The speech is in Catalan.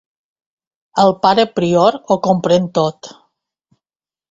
El pare prior ho comprèn tot.